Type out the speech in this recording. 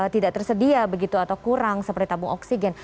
tidak tersedia begitu atau kurang seperti tabung oksigen